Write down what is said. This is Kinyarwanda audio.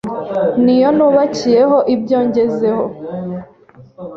Ni yo nubakiyeho ibyo ngezeho,